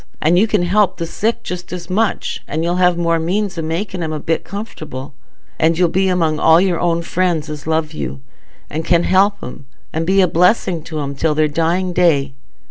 And you can help the sick just as much, and you'll have more means o' making 'em a bit comfortable; and you'll be among all your own friends as love you, and can help 'em and be a blessing to 'em till their dying day.